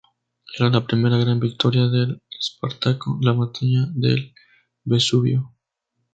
Era la primera gran victoria de Espartaco, la batalla del Vesubio.